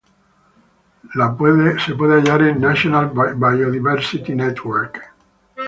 La puede hallarse en "National Biodiversity Network".